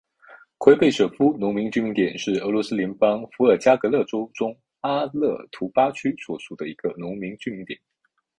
奎贝舍夫农村居民点是俄罗斯联邦伏尔加格勒州中阿赫图巴区所属的一个农村居民点。